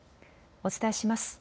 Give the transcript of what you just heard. お伝えします。